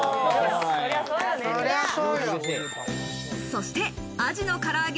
そして、アジの唐揚げ